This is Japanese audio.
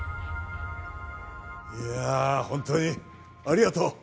いや本当にありがとう。